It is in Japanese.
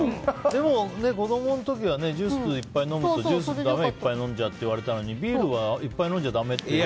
でも、子供の時ジュースをいっぱい飲んでるとジュースいっぱい飲んじゃだめって言われていたのにビールはいっぱい飲んじゃだめって。